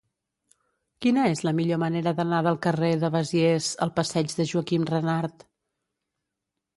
Quina és la millor manera d'anar del carrer de Besiers al passeig de Joaquim Renart?